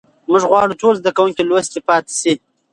موږ غواړو ټول زده کوونکي لوستي پاتې سي.